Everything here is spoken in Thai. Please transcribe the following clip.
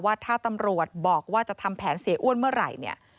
ว่าถ้าตำรวจบอกว่าจะทำแผนเสียอ้วนเมื่อไหร่เนี่ย